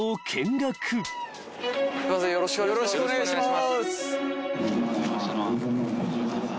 よろしくお願いします。